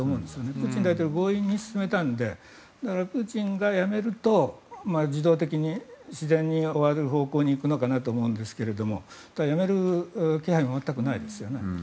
プーチン大統領強引に進めたのでだから、プーチンが辞めると自動的に終わる方向に行くのかなと思うんですがやめる気配も全くないですね。